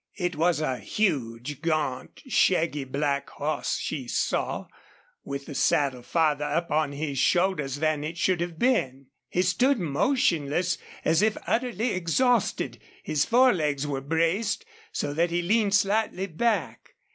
It was a huge, gaunt, shaggy black horse she saw, with the saddle farther up on his shoulders than it should have been. He stood motionless, as if utterly exhausted. His forelegs were braced, so that he leaned slightly back.